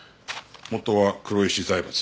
元は黒石財閥。